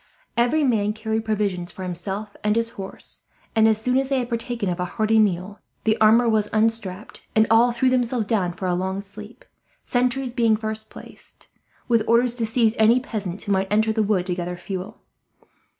Every man carried provisions for himself and his horse and, as soon as they had partaken of a hearty meal, the armour was unstrapped, and all threw themselves down for a long sleep; sentries being first placed, with orders to seize any peasants who might enter the wood to gather fuel.